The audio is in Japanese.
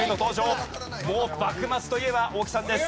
もう幕末といえば大木さんです。